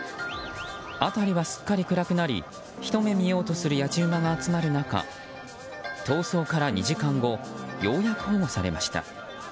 辺りはすっかり暗くなりひと目見ようとする野次馬が集まる中逃走から２時間後ようやく保護されました。